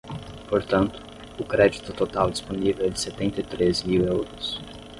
Portanto, o crédito total disponível é de setenta e três mil euros.